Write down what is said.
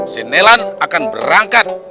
si nelan akan berangkat